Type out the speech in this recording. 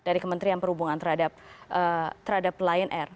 dari kementerian perhubungan terhadap lion air